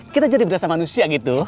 kita jadi berasa manusia gitu